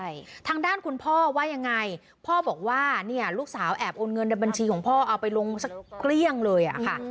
ใช่ทางด้านคุณพ่อว่ายังไงพ่อบอกว่าเนี่ยลูกสาวแอบโอนเงินในบัญชีของพ่อเอาไปลงสักเกลี้ยงเลยอ่ะค่ะ